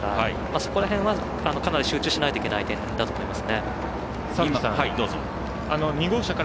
そこら辺はかなり集中しないといけない点だと思います。